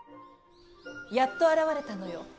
やっと現れたのよ